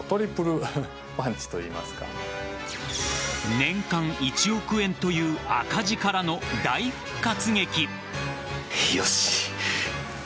年間１億円という赤字からの大復活劇。